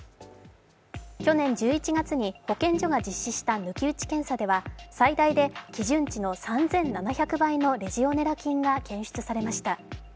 去年１１月に、保健所が実施した抜き打ち検査では、最大で基準値の３７００倍のレジオネラ菌が検出されました。